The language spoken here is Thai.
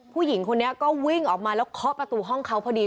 ผู้หญิงคนนี้ก็วิ่งออกมาแล้วเคาะประตูห้องเขาพอดี